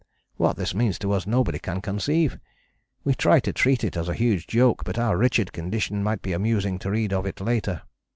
What this means to us nobody can conceive. We try to treat it as a huge joke, but our wretched condition might be amusing to read of it later.